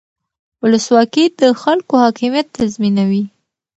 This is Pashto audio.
ولسواکي د خلکو حاکمیت تضمینوي